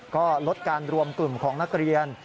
ก็ลดการรวมกลุ่มของนักเรียน